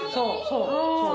そうそう！